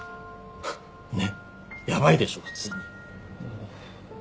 ねっヤバいでしょ普通に。